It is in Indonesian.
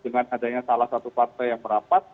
dengan adanya salah satu partai yang merapat